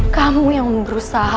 kamu yang berusaha